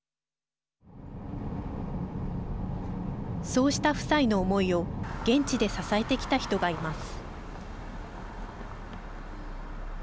そうした夫妻の思いを現地で支えてきた人がいます。